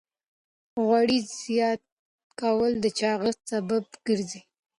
غوړ زیات کول د چاغښت سبب ګرځي.